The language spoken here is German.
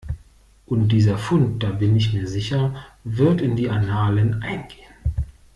Und dieser Fund, da bin ich mir sicher, wird in die Annalen eingehen.